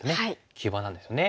急場なんですね。